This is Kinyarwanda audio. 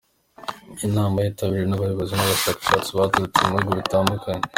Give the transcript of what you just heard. Iyi nama yitabiriwe n’abayobozi n’abashakashatsi baturutse mu bihugu bitandukanye .